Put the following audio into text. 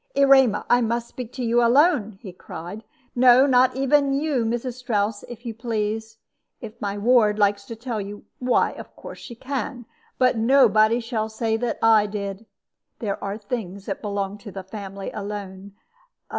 "Erema, I must speak to you alone," he cried; "no, not even you, Mrs. Strouss, if you please. If my ward likes to tell you, why, of course she can; but nobody shall say that I did. There are things that belong to the family alone.